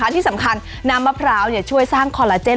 ที่สำคัญน้ำมะพร้าวช่วยสร้างคอลลาเจน